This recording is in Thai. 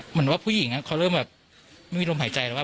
เหมือนว่าผู้หญิงเขาเริ่มไม่มีรมหายใจ